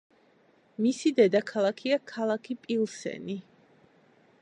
მისი დედაქალაქია ქალაქი პილსენი.